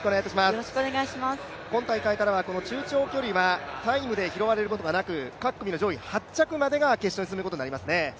今大会からは中長距離はタイムで拾われることはなく各組の上位８着までが決勝に進むことになります。